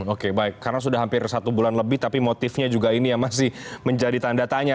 oke baik karena sudah hampir satu bulan lebih tapi motifnya juga ini yang masih menjadi tanda tanya